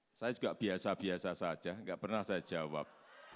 saya juga biasa biasa saja nggak pernah saya jawab